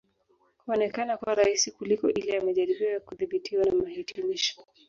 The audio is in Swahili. Huonekana kuwa rahisi kuliko ile ya majaribio ya kudhibitiwa na mahitimisho